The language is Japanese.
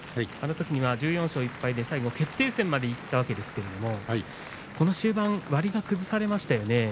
あのときには１４勝１敗で最後、決定戦までいったわけですけれどもあの終盤、割が崩されましたよね